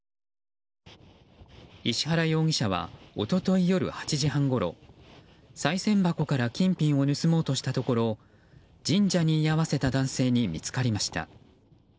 石原容疑者は一昨日夜８時半ごろさい銭箱から金品を盗もうとしたところ神社に居合わせた男性に見つかりました。